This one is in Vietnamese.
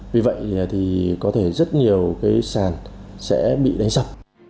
vì vậy thì có thể rất nhiều cái sàn sẽ bị đánh sập